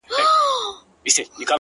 o هيواد مي هم په ياد دى ـ